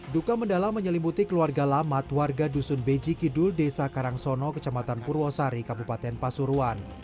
duka mendalam menyelimuti keluarga lamat warga dusun beji kidul desa karangsono kecamatan purwosari kabupaten pasuruan